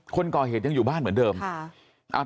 คนก่อเหตุยังอยู่บ้านเหมือนเดิม